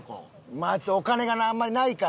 まあお金があんまりないからね。